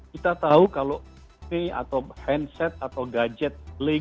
kita tahu kalau ini atau handset atau gadget